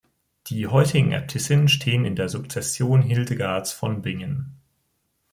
Die heutigen Äbtissinnen stehen in der Sukzession Hildegards von Bingen.